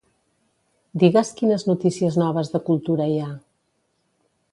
Digues quines notícies noves de cultura hi ha.